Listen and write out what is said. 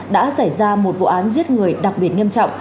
đã xảy ra một vụ án giết người đặc biệt nghiêm trọng